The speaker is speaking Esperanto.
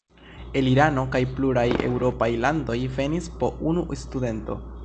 El Irano kaj pluraj eŭropaj landoj venis po unu studento.